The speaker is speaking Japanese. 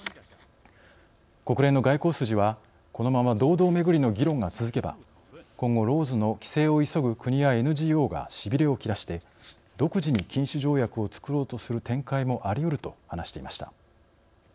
国連の外交筋はこのまま堂々巡りの議論が続けば今後ＬＡＷＳの規制を急ぐ国やＮＧＯがしびれを切らして独自に禁止条約をつくろうとする展開もありうると話していました。